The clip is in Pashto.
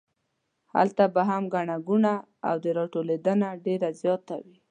هلته به هم ګڼه ګوڼه او راټولېدنه ډېره زیاته وي.